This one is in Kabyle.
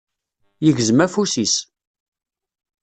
Yegzem afus-is.